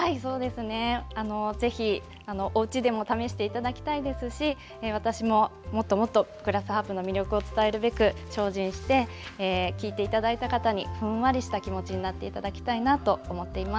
ぜひ、おうちでも試していただきたいですし私も、もっともっとグラスハープの魅力を伝えるべく精進して、聴いていただいた方にふんわりした気持ちにいただきたいなと思っております。